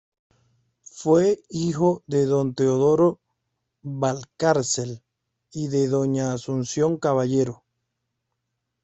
Fue hijo de don Teodoro Valcárcel y de doña Asunción Caballero.